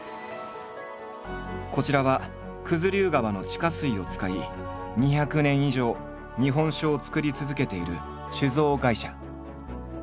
こちらは九頭竜川の地下水を使い２００年以上日本酒を造り続けている酒造会社。